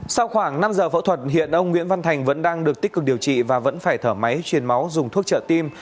sau khoảng năm giờ phẫu thuật hiện ông nguyễn văn thành vẫn đang được tích cực điều trị và vẫn phải thở máy chuyển máu dùng thuốc trợ tim